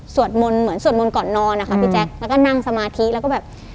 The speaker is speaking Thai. เหมือนสวดมนต์ก่อนนอนนะคะพี่แจ๊คแล้วก็นั่งสมาธิแล้วก็แบบ